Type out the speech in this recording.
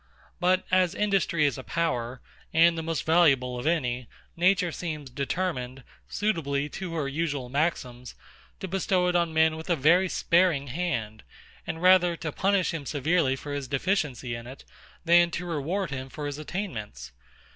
But as industry is a power, and the most valuable of any, Nature seems determined, suitably to her usual maxims, to bestow it on men with a very sparing hand; and rather to punish him severely for his deficiency in it, than to reward him for his attainments.